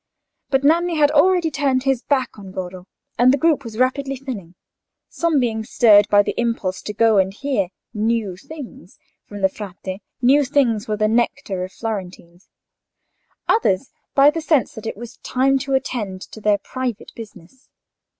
But Nanni had already turned his back on Goro, and the group was rapidly thinning; some being stirred by the impulse to go and hear "new things" from the Frate ("new things" were the nectar of Florentines); others by the sense that it was time to attend to their private business.